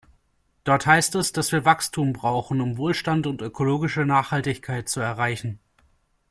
Dort heißt es, dass wir Wachstum brauchen, um Wohlstand und ökologische Nachhaltigkeit zu erreichen.